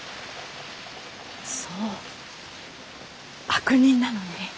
そう悪人なのね